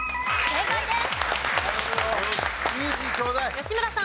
正解です。